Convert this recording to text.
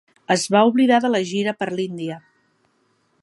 Es va oblidar de la gira per l'Índia.